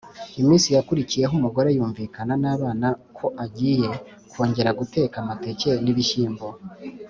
Iminsi yakurikiyeho umugore yumvikana n’abana ko agiye kwongera guteka amateke n’ibishyimbo